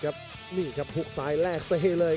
กันต่อแพทย์จินดอร์